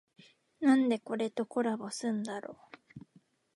なんでこれとコラボすんだろ